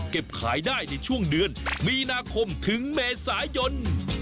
ขายได้ในช่วงเดือนมีนาคมถึงเมษายน